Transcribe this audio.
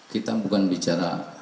kita bukan bicara